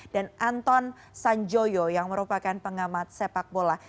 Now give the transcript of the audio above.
dan anton sanjoyo yang merupakan pengamat sepak bola